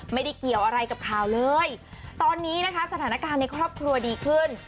ไม่ได้เกี่ยวอะไรกับข่าวเลยตอนนี้นะคะสถานการณ์ในครอบครัวดีขึ้น